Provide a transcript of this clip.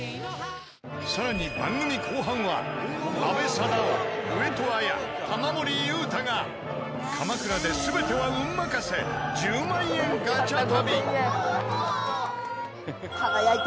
更に番組後半は阿部サダヲ上戸彩玉森裕太が鎌倉で全ては運任せ１０万円ガチャ旅